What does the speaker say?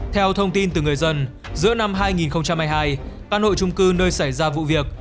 theo thông tin từ người dân giữa năm hai nghìn hai mươi hai căn hộ trung cư nơi xảy ra vụ việc